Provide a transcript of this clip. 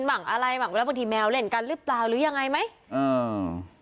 หั่งอะไรหมั่งเวลาบางทีแมวเล่นกันหรือเปล่าหรือยังไงไหมอืม